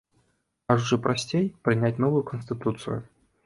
Кажучы прасцей, прыняць новую канстытуцыю.